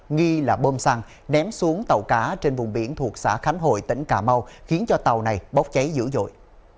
nghi là bơm xăng ném xuống tàu cá trên vùng biển thuộc xã khánh hội tỉnh cà mau khiến cho tàu này bốc cháy dữ dội